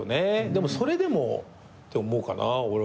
でもそれでもって思うかな俺は。